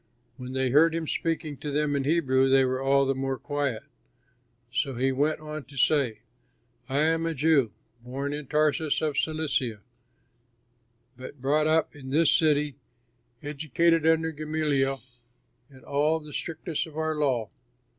When they heard him speaking to them in Hebrew they were all the more quiet; so he went on to say, "I am a Jew, born in Tarsus in Cilicia, but brought up in this city, educated under Gamaliel in all the strictness of our law.